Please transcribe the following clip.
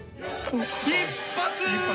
一発！